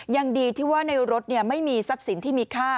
ยังดีที่ว่าในรถไม่มีทรัพย์สินที่มีค่า